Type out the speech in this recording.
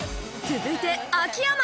続いて秋山。